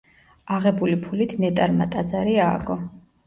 აღებული ფულით ნეტარმა ტაძარი ააგო.